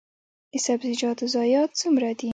د سبزیجاتو ضایعات څومره دي؟